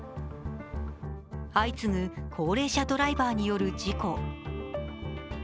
相次ぐ高齢者ドライバーによる事故。